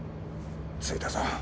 着いたぞ。